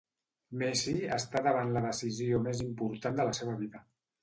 Messi està davant la decisió més important de la seva vida.